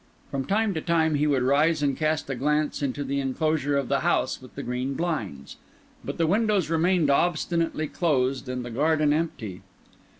From time to time he would rise and cast a glance into the enclosure of the house with the green blinds; but the windows remained obstinately closed and the garden empty.